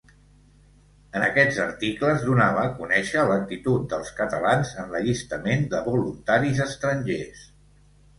En aquests articles donava a conèixer l'actitud dels catalans en l'allistament de voluntaris estrangers.